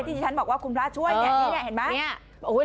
ที่ที่ฉันบอกว่าคุณพระช่วยเนี่ยเห็นไหม